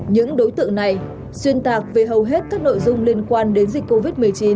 những đối tượng này xuyên tạc về hầu hết các nội dung liên quan đến dịch covid một mươi chín